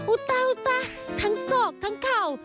เต้าตาทั้งศอกทั้งเข่า